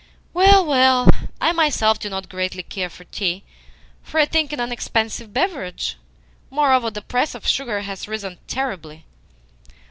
Well, well! I myself do not greatly care for tea, for I think it an expensive beverage. Moreover, the price of sugar has risen terribly."